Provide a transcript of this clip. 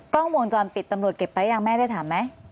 กล้องวงจรปิดตำรวจเก็บไปยังแม่ได้ถามไหม